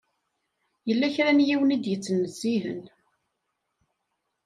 Yella kra n yiwen i yettnezzihen.